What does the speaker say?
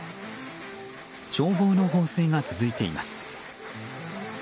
消防の放水が続いています。